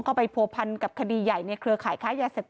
เข้าไปโผพันกับคดีใหญ่ในเครือขายค้ายาเสร็จ